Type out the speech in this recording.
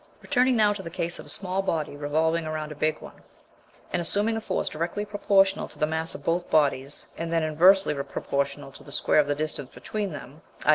Returning now to the case of a small body revolving round a big one, and assuming a force directly proportional to the mass of both bodies, and inversely proportional to the square of the distance between them: _i.